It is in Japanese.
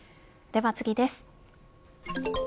では次です。